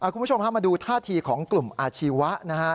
คุณผู้ชมพามาดูท่าทีของกลุ่มอาชีวะนะฮะ